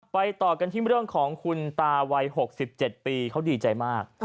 ต่อกันที่เรื่องของคุณตาวัย๖๗ปีเขาดีใจมาก